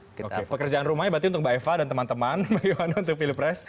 oke oke pekerjaan rumahnya berarti untuk mbak eva dan teman teman bagaimana untuk pilpres